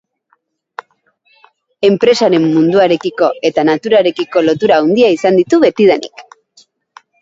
Enpresaren munduarekiko eta naturarekiko lotura handia izan du betidanik.